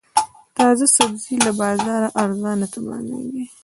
تازه سبزي له بازاره ارزانه تمامېږي.